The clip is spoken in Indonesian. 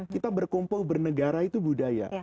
kita berkumpul bernegara itu budaya